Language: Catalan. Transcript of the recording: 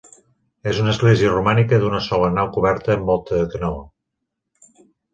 És una església romànica d'una sola nau coberta amb volta de canó.